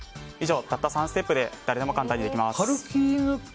以上、たった３ステップで誰でも簡単にできます。